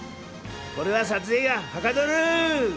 これは撮影がはかどる！